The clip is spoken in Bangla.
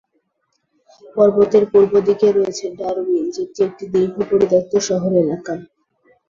পর্বতের পূর্ব দিকে রয়েছে ডারউইন, যেটি একটি দীর্ঘ পরিত্যক্ত শহর এলাকা।